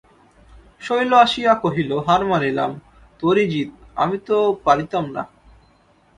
শৈল আসিয়া কহিল, হার মানিলাম, তোরই জিত–আমি তো পারিতাম না।